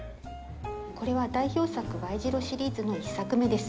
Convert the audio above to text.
これは代表作「Ｙ字路」シリーズの１作目です。